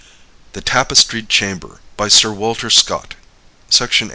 The Tapestried Chamber. BY SIR WALTER SCOTT.